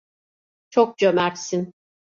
Çok cömertsin.